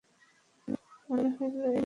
মনে হইল এই বালকটি যেন নির্মলার ভাই।